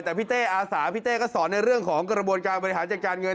แต่พี่เต้อาสาพี่เต้ก็สอนในเรื่องของกระบวนการบริหารจัดการเงิน